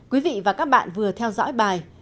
quý vị và các bạn vừa theo dõi bài